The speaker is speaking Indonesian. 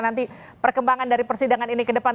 nanti perkembangan dari persidangan ini ke depan